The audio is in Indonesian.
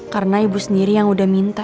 karena ibu sendiri yang udah minta